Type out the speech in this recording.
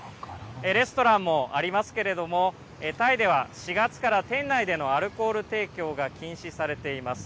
レストランもありますけれどもタイでは４月から店内でのアルコール提供が禁止されています。